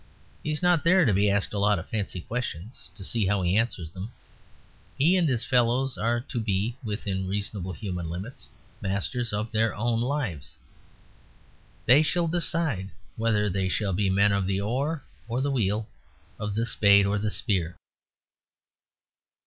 He is not there to be asked a lot of fancy questions, to see how he answers them. He and his fellows are to be, within reasonable human limits, masters of their own lives. They shall decide whether they shall be men of the oar or the wheel, of the spade or the spear.